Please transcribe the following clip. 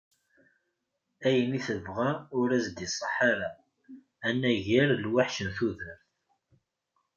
Ayen i tebɣa ur as-d-iṣaḥ ara, anagar lweḥc n tudert.